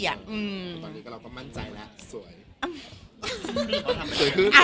ตอนนี้เราก็มั่นใจแล้วสวยขึ้น